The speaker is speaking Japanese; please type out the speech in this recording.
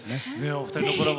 お二人のコラボ